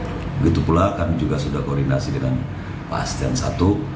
begitu pula kami juga sudah koordinasi dengan pasien satu